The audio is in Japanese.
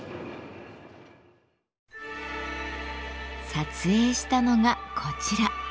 撮影したのがこちら。